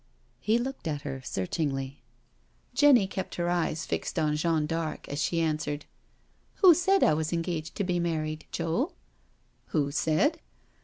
He looked at her searchingly. Jenny kept her eyes fixed on Jeanne d'Arc as she answered: "Who said I was engaged to be married, Joe?" "Who said?"